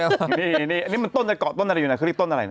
อ่าวอันนี้มันต้นอะไรออกต้นอะไรแหละคือต้นอะไร